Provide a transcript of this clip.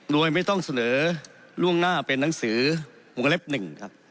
โดยไม่ต้องเสนอล่วงหน้าเป็นหนังสือวงเล็บ๑ครับ